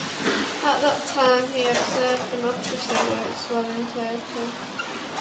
At that time, he observed, Democracy works well in Turkey.